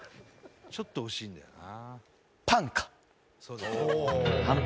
ちょっと惜しいんだよな。